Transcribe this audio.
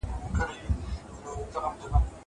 زه اجازه لرم چي موبایل کار کړم!